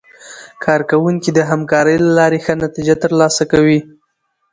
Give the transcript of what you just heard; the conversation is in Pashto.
کارکوونکي د همکارۍ له لارې ښه نتیجه ترلاسه کوي